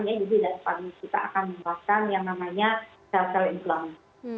ya jadi daripada kita akan mengeluarkan yang namanya sel sel inflamasi